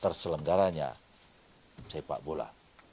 terselenggaranya sepak bola